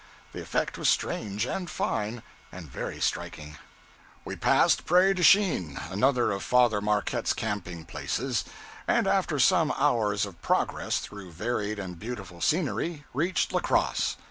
The effect was strange, and fine, and very striking. We passed Prairie du Chien, another of Father Marquette's camping places; and after some hours of progress through varied and beautiful scenery, reached La Crosse.